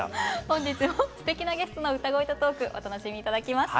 本日もすてきなゲストの歌声とトークお楽しみ頂きます。